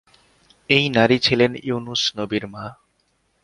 এই নারী ছিলেন ইউনুস নবীর মা।